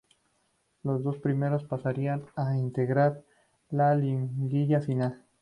Los dos primeros pasarían a integrar la liguilla final.